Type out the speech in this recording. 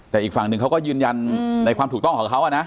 แต่อีกฝั่งหนึ่งเขาก็ยืนยันในความถูกต้องของเขานะ